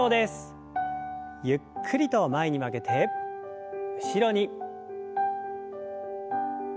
ゆっくりと前に曲げて後ろに。